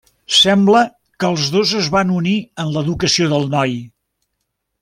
Sembla que els dos es van unir en l'educació del noi.